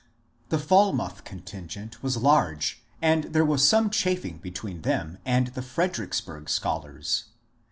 The Falmouth contingent was large, and there was some ^ chaffing " between them and the Fredericksburg scholars.